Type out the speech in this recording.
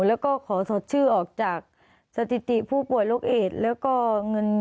แล้วก็ขอสดชื่อออกจากสถิติผู้ป่วยโรคเอดแล้วก็เงิน